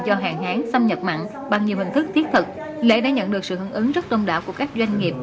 do hạn hán xâm nhập mặn bằng nhiều hình thức thiết thực lễ đã nhận được sự hứng ứng rất đông đảo của các doanh nghiệp